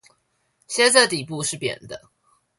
鞋子的底部是扁的